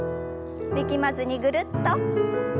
力まずにぐるっと。